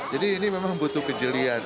jadi ini memang butuh kejelian